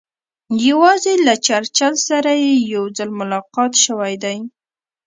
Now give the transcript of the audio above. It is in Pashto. یوازې له چرچل سره یې یو ځل ملاقات شوی دی.